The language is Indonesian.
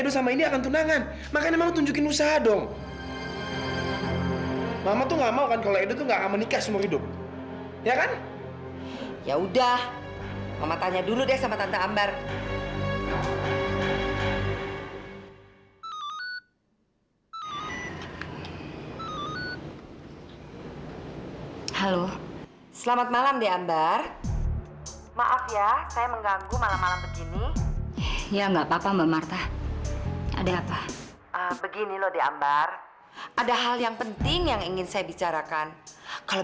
sampai jumpa di video selanjutnya